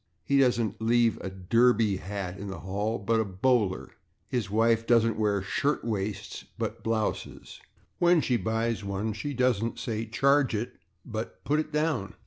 He doesn't leave a /derby/ hat in the hall, but a /bowler/. His wife doesn't wear /shirtwaists/ but /blouses/. When she buys one she doesn't say "/charge it/" but "/put it down